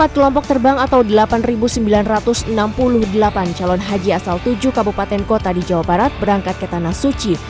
empat kelompok terbang atau delapan sembilan ratus enam puluh delapan calon haji asal tujuh kabupaten kota di jawa barat berangkat ke tanah suci